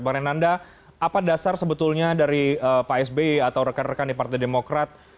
bang renanda apa dasar sebetulnya dari pak sby atau rekan rekan di partai demokrat